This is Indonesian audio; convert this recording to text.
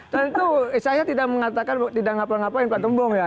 tentu saya tidak mengatakan tidak ngapa ngapain pak gembong ya